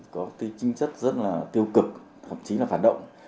có tinh chất rất tiêu cực thậm chí là phản động